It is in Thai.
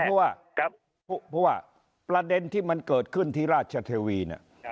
เพราะว่าประเด็นที่มันเกิดขึ้นที่ราชเทวีเนี่ย